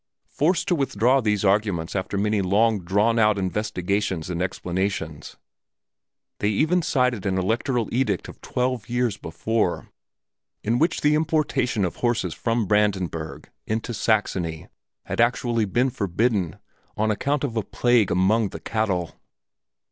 Forced to withdraw these arguments after many long drawn out investigations and explanations, they even cited an electoral edict of twelve years before, in which the importation of horses from Brandenburg into Saxony had actually been forbidden, on account of a plague among the cattle.